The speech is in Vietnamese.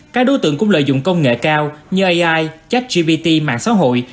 các đối tượng cũng lợi dụng công nghệ cao như ai chat gpt mạng xã hội